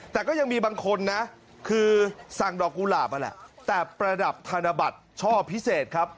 แต่ก็ยังมีบางคนนะคือสั่งดอกกุหลาบนั่นแหละแต่ประดับธนบัตรช่อพิเศษครับ